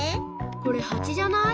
これハチじゃない？